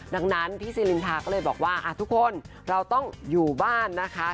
ดังนั้นพี่ซีลินทาก็เลยบอกว่าทุกคนเราต้องอยู่บ้านนะคะ